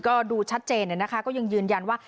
ก็ดูชัดเจนนะคะก็ยังยืนยันว่า